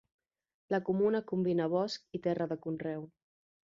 La comuna combina bosc i terra de conreu.